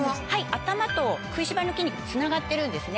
頭と食いしばりの筋肉つながってるんですね。